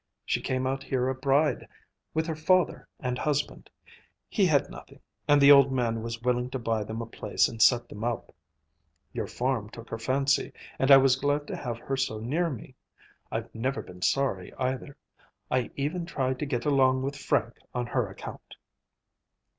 She came out here a bride, with her father and husband. He had nothing, and the old man was willing to buy them a place and set them up. Your farm took her fancy, and I was glad to have her so near me. I've never been sorry, either. I even try to get along with Frank on her account."